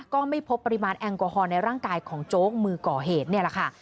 ก็ไม่พบปริมาณแอลกอฮอลในร่างกายของโจ๊กมือก่อเหตุนี่แหละค่ะ